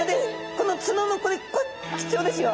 この角のこれこれきちょうですよ。